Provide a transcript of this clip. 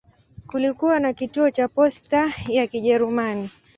Kulikuwa na kituo cha posta ya Kijerumani.